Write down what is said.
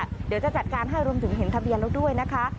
เดี๋ยวจะจัดการให้รวมถึงเห็นทะเบียนแล้วด้วยนะคะ